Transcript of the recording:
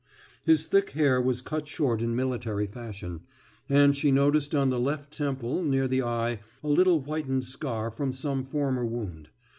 His thick hair was cut short in military fashion, and she noticed on the left temple, near the eye, a little whitened scar from some former wound.